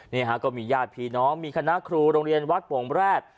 นี่ฮะก็มีญาติพี่น้องมีคณะครูโรงเรียนวัดโป่งแรด